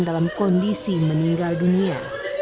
dalam kondisi meninggal dunia